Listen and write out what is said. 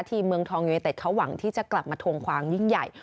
เมืองทองยูเนเต็ดเขาหวังที่จะกลับมาทวงความยิ่งใหญ่